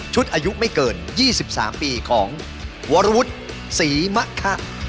อายุไม่เกิน๒๓ปีของวรวุฒิศรีมะคะ